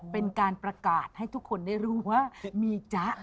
เป็นการประกาศให้ทุกคนได้รู้ว่ามีจ๊ะ